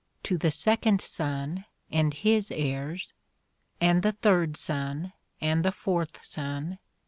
to the second sonne and (his) heires ... and the third sonne ... and the fourth sonne